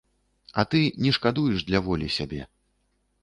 А ты не шкадуеш для волі сябе.